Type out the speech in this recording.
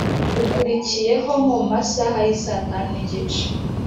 ukurikiyeho nkomumasaha y’isatanu nigice